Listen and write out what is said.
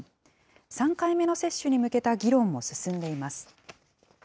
３回目の接種に向けた議論も進んでいます。